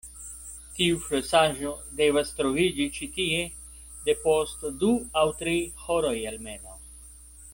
Tiu flosaĵo devas troviĝi ĉi tie depost du aŭ tri horoj almenaŭ.